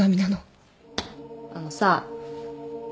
あのさ。